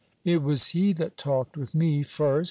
It was he that talked with me first.